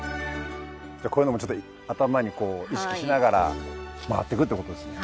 じゃあこういうのも頭に意識しながら回ってくってことですね。